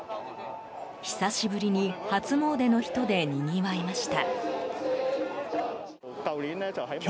久しぶりに初詣の人でにぎわいました。